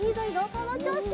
そのちょうし。